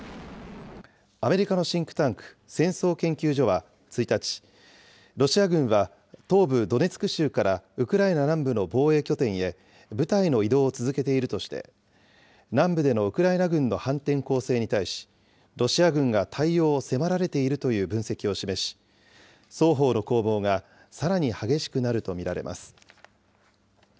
アメリカのシンクタンク、戦争研究所は１日、ロシア軍は、東部ドネツク州からウクライナ南部の防衛拠点へ部隊の移動を続けているとして、南部でのウクライナ軍の反転攻勢に対し、ロシア軍が対応を迫られているという分析を示し、双方の攻防がさらに激しくなると見られます。